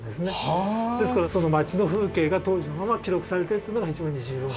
ですからその街の風景が当時のまま記録されてるというのが非常に重要。